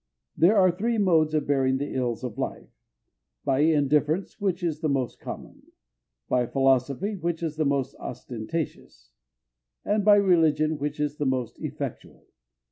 There are three modes of bearing the ills of life—by indifference, which is the most common; by philosophy, which is the most ostentatious; and by religion, which is the most effectual.